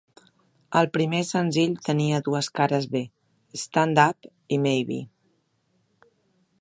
El primer senzill tenia dues cares b: "Stand up" i "Maybe".